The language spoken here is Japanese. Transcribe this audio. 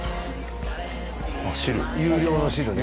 有料の汁ね